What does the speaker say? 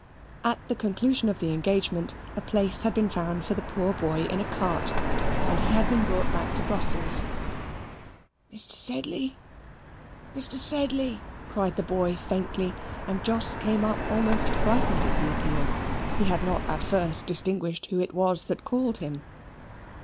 At the conclusion of the engagement, a place had been found for the poor boy in a cart, and he had been brought back to Brussels. "Mr. Sedley, Mr. Sedley!" cried the boy, faintly, and Jos came up almost frightened at the appeal. He had not at first distinguished who it was that called him.